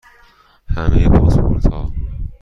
همه پاسپورت ها